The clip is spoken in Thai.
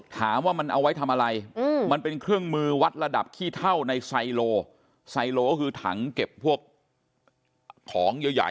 ถามว่ามันเอาไว้ทำอะไรมันเป็นเครื่องมือวัดระดับขี้เท่าในไซโลไซโลก็คือถังเก็บพวกของใหญ่